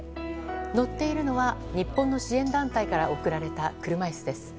乗っているのは日本の支援団体から贈られた車椅子です。